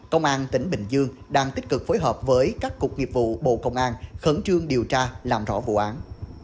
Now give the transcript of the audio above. công an tỉnh bình dương đang tích cực phối hợp với các cục nghiệp vụ bộ công an khẩn trương điều tra làm rõ vụ án